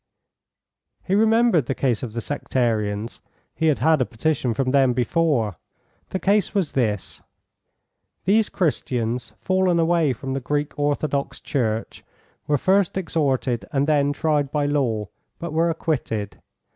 He remembered the case of the sectarians; he had had a petition from them before. The case was this: These Christians, fallen away from the Greek Orthodox Church, were first exhorted and then tried by law, but were acquitted.